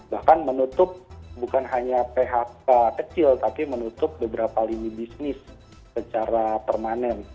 bahkan menutup bukan hanya phk kecil tapi menutup beberapa lini bisnis secara permanen